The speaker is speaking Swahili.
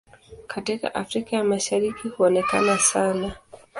Katika Afrika ya Mashariki huonekana sana.